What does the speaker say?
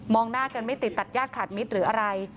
หน้ากันไม่ติดตัดญาติขาดมิตรหรืออะไร